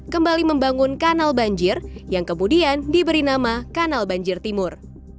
kembali membangun kanal banjir yang kemudian diberi nama kanal banjir timur